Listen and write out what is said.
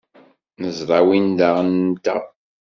Neẓra win d aɣan-nteɣ.